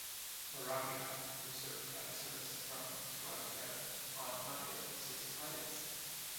Orawia was served by a service from Tuatapere on Mondays, Wednesdays and Fridays.